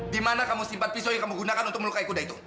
di mana kamu simpan pisau yang kamu gunakan untuk melukai kuda itu